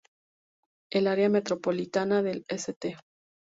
El área metropolitana de St.